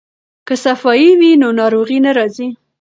که صفايي وي نو ناروغي نه راځي.